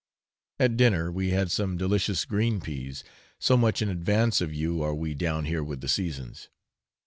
At dinner we had some delicious green peas, so much in advance of you are we down here with the seasons.